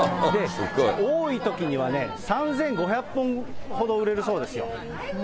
多いときにはね、３５００本ほど売れるそうですよ。